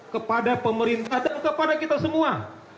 kepada pemerintah dan kepada kita semua